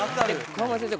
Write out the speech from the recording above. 川村先生